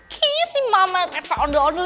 kayaknya si mama reva onda onda